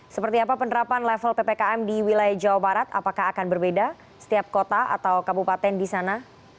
seperti apa penerapan level ppkm di wilayah jawa barat apakah akan berbeda setiap kota atau kabupaten di sana